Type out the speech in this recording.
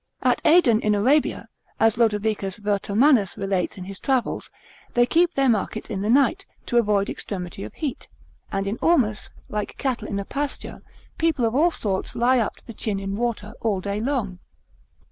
At Aden in Arabia, as Lodovicus Vertomannus relates in his travels, they keep their markets in the night, to avoid extremity of heat; and in Ormus, like cattle in a pasture, people of all sorts lie up to the chin in water all day long.